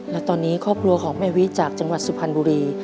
และตอนนี้ครอบครัวของแม่วิจากจังหวัดสุพรรณบุรี